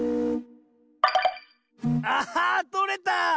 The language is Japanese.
あっとれた！